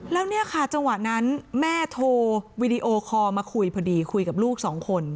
แล้วเนี่ยค่ะจังหวะนั้นแม่โทรวีดีโอคอลมาคุยพอดีคุยกับลูกสองคน